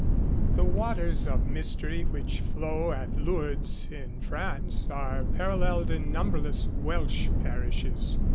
The waters of mystery which flow at Lourdes, in France, are paralleled in numberless Welsh parishes.